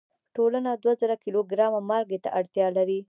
ټولنه دوه زره کیلو ګرامه مالګې ته اړتیا لري.